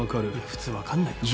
普通分かんないよ。